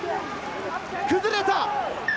崩れた！